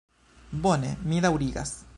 Bone, mi daŭrigas.